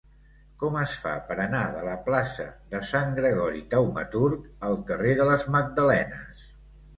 Com es fa per anar de la plaça de Sant Gregori Taumaturg al carrer de les Magdalenes?